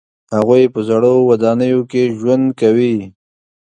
هغوی په زړو ودانیو کې ژوند کوي.